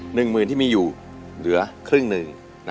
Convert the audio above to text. หนึ่งหมื่นที่มีอยู่เหลือครึ่งหนึ่ง